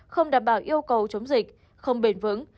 không đảm bảo yêu cầu chống dịch không bền vững